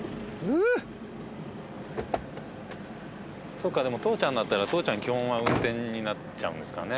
そうかでも父ちゃんだったら父ちゃん基本は運転になっちゃうんですかね